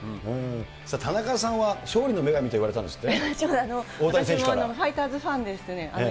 さあ、田中さんは勝利の女神と言われたんですって？